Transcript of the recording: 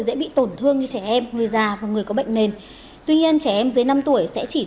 và những người khiếm thị